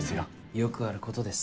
よくあることです